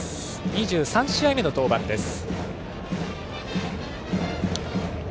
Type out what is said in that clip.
２３試合目の登板です。